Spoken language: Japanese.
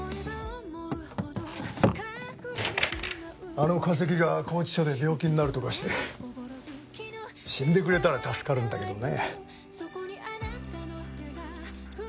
あの化石が拘置所で病気になるとかして死んでくれたら助かるんだけどね。